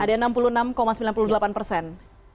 ada enam puluh enam sembilan puluh delapan persen